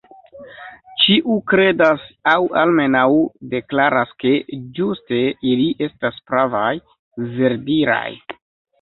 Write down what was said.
Ĉiu kredas, aŭ almenaŭ deklaras, ke ĝuste ili estas pravaj, verdiraj.